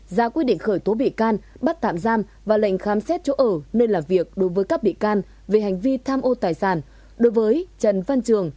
ra quyết định khởi tố bị can bắt tạm giam và lệnh khám xét chỗ ở nơi làm việc đối với các bị can về hành vi tham ô tài sản đối với trần văn trường